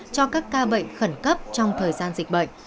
cho các ca bệnh khẩn cấp trong thời gian dịch bệnh